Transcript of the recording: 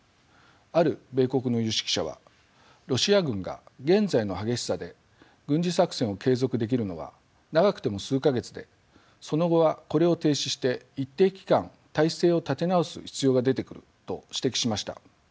ある米国の有識者は「ロシア軍が現在の激しさで軍事作戦を継続できるのは長くても数か月でその後はこれを停止して一定期間態勢を立て直す必要が出てくる」と指摘しました。